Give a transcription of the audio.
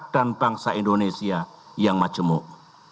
bangsa indonesia yang majemuk